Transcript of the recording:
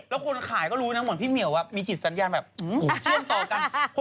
แล้วคนขายก็รู้นะเหมือนพี่เหมียวมีจิตสัญญาณแบบผมเชื่อมต่อกัน